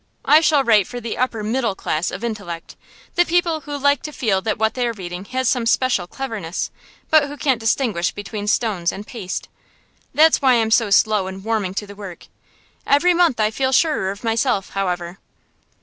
I shall write for the upper middle class of intellect, the people who like to feel that what they are reading has some special cleverness, but who can't distinguish between stones and paste. That's why I'm so slow in warming to the work. Every month I feel surer of myself, however.